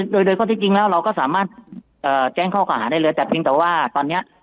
โดยโดยข้อที่จริงแล้วเราก็สามารถแจ้งข้อกล่าหาได้เลยแต่เพียงแต่ว่าตอนนี้